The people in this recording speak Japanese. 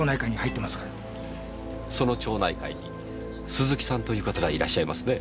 その町内会に鈴木さんという方がいらっしゃいますね？